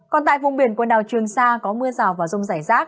còn tại vùng biển quần đảo trường sa có mưa rào và rông rải rác